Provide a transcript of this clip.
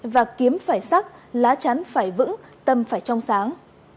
và kiếm phải sắc lá chắn phải vững tâm phải trong sáng